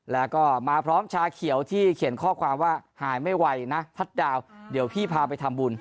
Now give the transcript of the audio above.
แล้วก็มาพร้อมชาเขียวที่เขียนข้อความว่าหายไม่ไหวนะทัศน์ดาวเดี๋ยวพี่พาไปทำบุญ